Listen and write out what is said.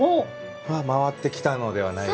回ってきたのではないかと。